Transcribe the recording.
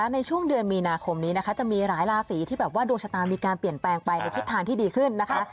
ในช่วงเดือนมีนาคมนี้นะคะจะมีหลายราศีที่แบบว่าดวงชะตามีการเปลี่ยนแปลงไปในทิศทางที่ดีขึ้นนะคะ